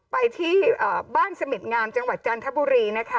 ไปที่บ้านสมิทงามจังหวัดจันทบุรีนะคะ